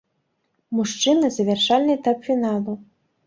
Мужчыны, завяршальны этап фіналу.